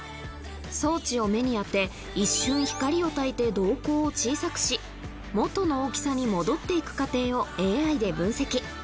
装置を目に当て一瞬光をたいて瞳孔を小さくし元の大きさに戻っていく過程をＡＩで分析